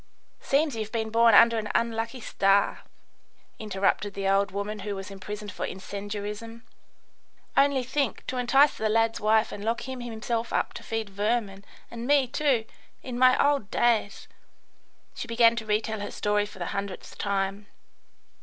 "Seems you've been born under an unlucky star," interrupted the old woman who was imprisoned for incendiarism. "Only think, to entice the lad's wife and lock him himself up to feed vermin, and me, too, in my old days " she began to retell her story for the hundredth time.